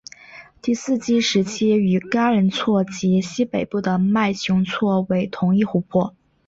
第四纪时期与嘎仁错及西北部的麦穷错为同一湖泊。